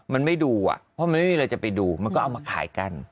มันไม่ดูอ่ะเพราะมันไม่มีอะไรจะไปดูมันก็เอามาขายกัน